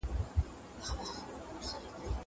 زه مخکي کتابتون ته تللی و.